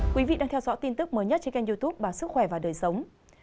các bạn đang theo dõi tin tức mới nhất trên kênh youtube bà sức khỏe và đời sống